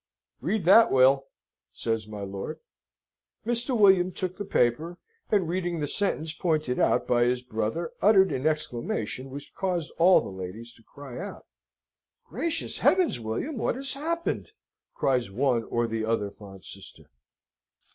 "Read that, Will," says my lord. Mr. William took the paper, and, reading the sentence pointed out by his brother, uttered an exclamation which caused all the ladies to cry out. "Gracious heavens, William! What has happened?" cries one or the other fond sister.